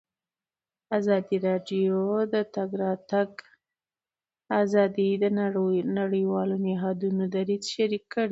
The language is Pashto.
ازادي راډیو د د تګ راتګ ازادي د نړیوالو نهادونو دریځ شریک کړی.